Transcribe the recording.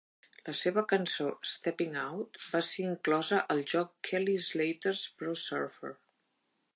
La seva cançó "Steppin 'Out" va ser inclosa al joc Kelly Slater's Pro Surfer.